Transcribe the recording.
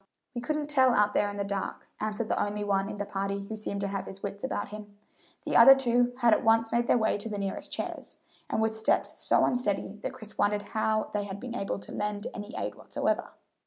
"We couldn't tell out there in the dark," answered the only one in the party who seemed to have his wits about him. The other two had at once made their way to the nearest chairs, and with steps so unsteady that Chris wondered how they had been able to lend any aid whatsoever.